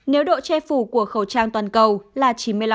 nếu độ che phủ của khẩu trang toàn cầu là chín mươi năm